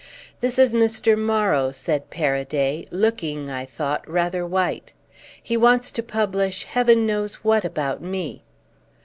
"This is Mr. Morrow," said Paraday, looking, I thought, rather white: "he wants to publish heaven knows what about me."